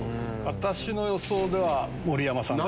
私の予想では盛山さんです。